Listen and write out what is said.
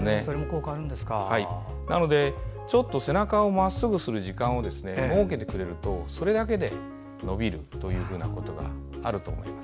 なので、ちょっと背中をまっすぐにする時間をもうけてくれるとそれだけで伸びるということがあると思います。